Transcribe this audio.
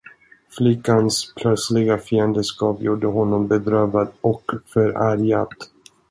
Flickans plötsliga fiendskap gjorde honom bedrövad och förargad.